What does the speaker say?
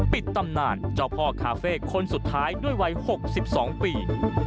ตำนานเจ้าพ่อคาเฟ่คนสุดท้ายด้วยวัย๖๒ปี